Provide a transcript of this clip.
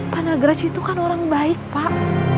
panagraj itu kan orang baik pak